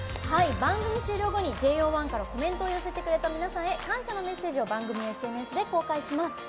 番組終了後にＪＯ１からコメントを寄せてくれた皆さんへ感謝のメッセージを番組ＳＮＳで公開します。